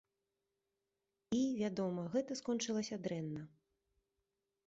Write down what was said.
І, вядома, гэта скончылася дрэнна.